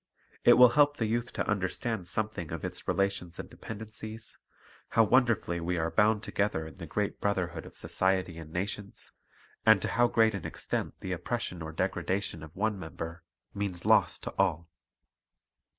It will help the youth to understand something of its relations and dependencies, how wonderfully we are bound together in the great brotherhood of society and nations, and to how great an extent the oppression or degradation of one member means loss to all.